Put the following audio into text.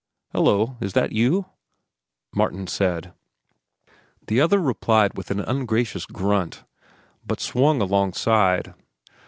"Hello, is that you?" Martin said. The other replied with an ungracious grunt, but swung alongside.